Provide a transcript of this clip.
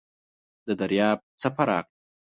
د دریاب څپه راغله .